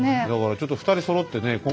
だからちょっと２人そろってね